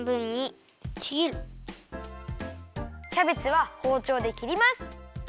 キャベツはほうちょうで切ります。